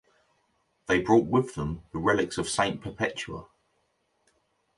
They brought with them the relics of Saint Perpetua.